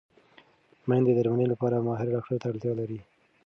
مېندې د درملنې لپاره ماهر ډاکټر ته اړتیا لري.